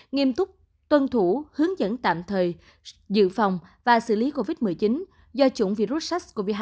nghiêm túc tuân thủ hướng dẫn tạm thời dự phòng và xử lý covid một mươi chín do chủng virus sars cov hai